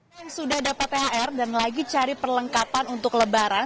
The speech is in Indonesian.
yang sudah dapat thr dan lagi cari perlengkapan untuk lebaran